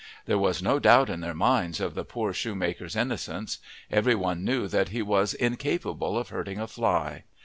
There was no doubt in their minds of the poor shoemaker's innocence. Every one knew that he was incapable of hurting a fly.